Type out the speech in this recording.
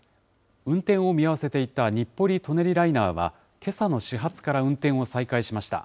運転を見合わせていた日暮里・舎人ライナーは、けさの始発から運転を再開しました。